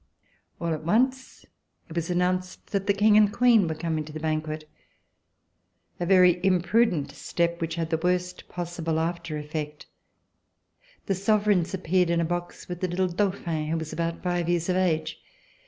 C91] RECOLLECTIONS OF THE REVOLUTION All at once it was announced that the King and Queen were coming to the banquet — a very im prudent step which had the worst possible after effect. The sovereigns appeared in a box with the little Dauphin who was about five years of age.